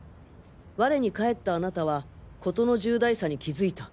我に返ったあなたは事の重大さに気づいた。